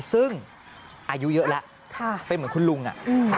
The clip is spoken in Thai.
ซึ่งอายุเยอะแล้วเป็นเหมือนคุณลุงอ่ะ